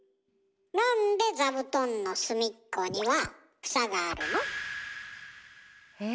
なんで座布団の隅っこには房があるの？え？